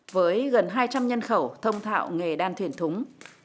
với gần hai trăm linh nhân khẩu thông thạo nghề đan thuyền thúng